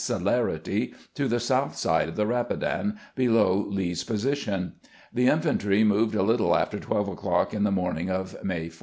celerity to the south side of the Rapidan, below Lee's position. The infan try moved a little after twelve o'clock in the morning of May 4.